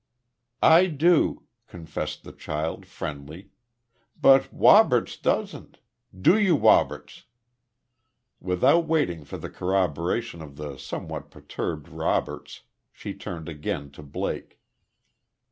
"I do," confessed the child, friendly. "But Woberts doesn't. Do you, Woberts?" Without waiting for the corroboration of the somewhat perturbed Roberts, she turned again to Blake.